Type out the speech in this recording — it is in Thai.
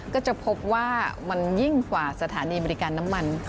ก็จะพบว่ามันยิ่งกว่าสถานีบริการน้ำมัน